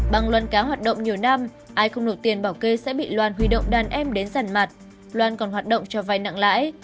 bằng luân cá hoạt động nhiều năm ai không nộp tiền bảo kê sẽ bị loan huy động đàn em đến giàn mặt loan còn hoạt động cho vai nặng lãi